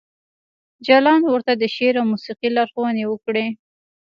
جلان ورته د شعر او موسیقۍ لارښوونې وکړې